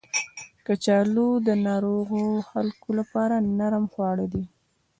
کچالو د ناروغو خلکو لپاره نرم خواړه دي